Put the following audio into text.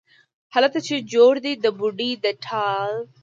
هلته چې جوړ دی د بوډۍ د ټال،